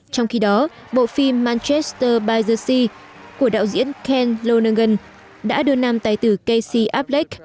trong khi đó bộ phim manchester by the sea của đạo diễn ken lonergan đã đưa nam tài tử casey aplec